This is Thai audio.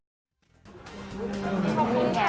ขอบคุณค่ะ